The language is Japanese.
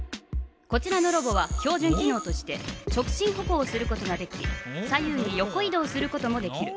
こちらのロボは標じゅん機のうとして直進歩行をすることができ左右に横い動することもできる。